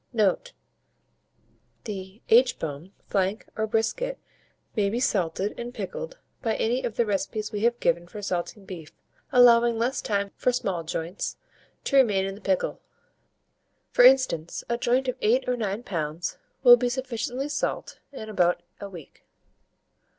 Note. The aitch bone, flank, or brisket may be salted and pickled by any of the recipes we have given for salting beef, allowing less time for small joints to remain in the pickle; for instance, a joint of 8 or 9 lbs. will be sufficiently salt in about a week.